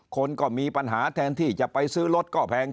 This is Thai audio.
คนก็มีปัญหาแทนที่จะไปซื้อรถก็แพง